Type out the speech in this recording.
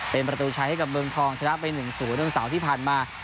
เป็นประตูชัยให้กับเมืองทองชนะไป๑๐วันเสาร์ที่ผ่านมา